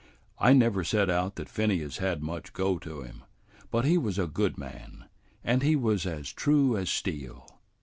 "I never set out that Phineas had much go to him, but he was a good man, and he was as true as steel."